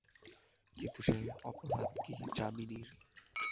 কিন্তু সে অপরাধ কি যামিনীর?